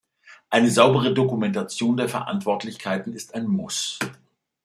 Eine saubere Dokumentation der Verantwortlichkeiten ist ein Muss.